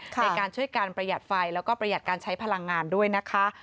ในการช่วยการประหยัดไฟแล้วก็ประหยัดการใช้พลังงานด้วยนะคะ